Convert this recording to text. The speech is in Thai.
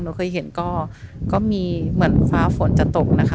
เคยเห็นก็มีเหมือนฟ้าฝนจะตกนะคะ